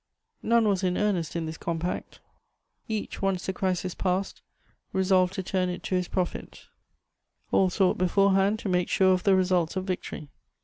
None was in earnest in this compact; each, once the crisis passed, resolved to turn it to his profit; all sought beforehand to make sure of the results of victory.